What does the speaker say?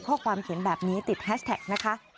ข้อความเขียนแบบนี้ติดแฮชแท็กนะคะ